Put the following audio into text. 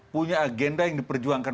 punya agenda yang diperjuangkan